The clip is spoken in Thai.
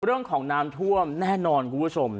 เรื่องของน้ำท่วมแน่นอนคุณผู้ชม